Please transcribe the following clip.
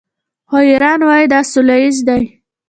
خو ایران وايي دا سوله ییز دی.